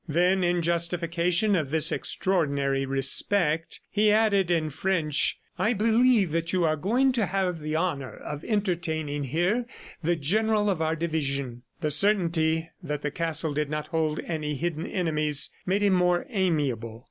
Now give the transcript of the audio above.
Then, in justification of this extraordinary respect, he added in French: "I believe that you are going to have the honor of entertaining here the general of our division." The certainty that the castle did not hold any hidden enemies made him more amiable.